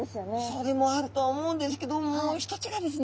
それもあるとは思うんですけどもう一つがですね